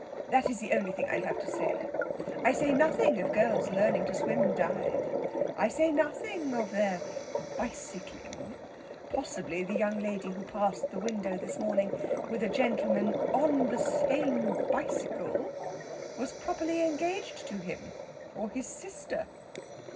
That is the only thing I have to say. I say nothing of girls learning to swim and dive. I say nothing of their bicycling. Possibly the young lady who passed the window this morning with a gentleman on the same bicycle was properly engaged to him; or his sister.